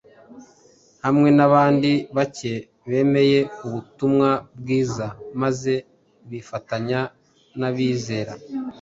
hamwe n’abandi bake bemeye ubutumwa bwiza maze bifatanya n’abizera.